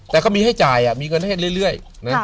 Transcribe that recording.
แต่ก็มีให้จ่ายมีเงินให้เรื่อย